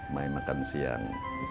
mai makan siang